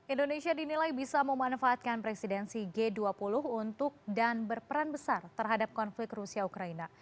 indonesia dinilai bisa memanfaatkan presidensi g dua puluh untuk dan berperan besar terhadap konflik rusia ukraina